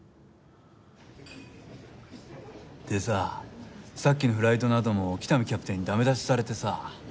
でささっきのフライトのあとも喜多見キャプテンにダメ出しされてさ。